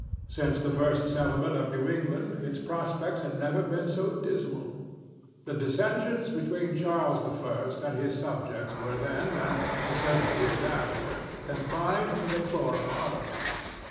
Since the first settlement of New England its prospects had never been so dismal. The dissensions between Charles I. and his subjects were then, and for several years afterward, confined to the floor of Parliament.